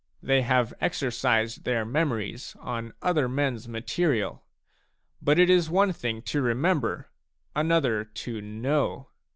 They have exercised their memories on other men's material. But it is one thing to remember, another to know.